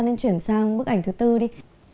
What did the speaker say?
nên chuyển sang bức ảnh thứ tư đi